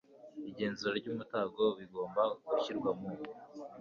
igenzura ry umutungo bigomba gushyirwa mu